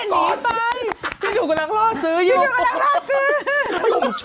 เม้นหนีไปพี่หนูกำลังลอดซื้ออยู่พี่หนูกำลังลอดซื้อ